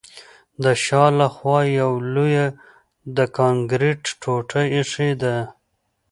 د شا له خوا یوه لویه د کانکریټ ټوټه ایښې ده